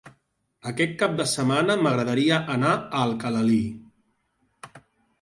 Aquest cap de setmana m'agradaria anar a Alcalalí.